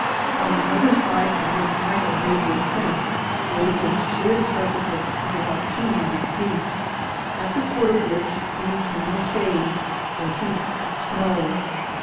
On the other side, from which I had made the ascent, there was a sheer precipice of about two hun dred feet, at the foot of which, in eternal shade, lay GROWING OVER NIGHT 239 heaps of snow.